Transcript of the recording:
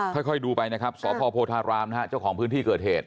ค่อยดูไปนะครับสพโพธารามนะฮะเจ้าของพื้นที่เกิดเหตุ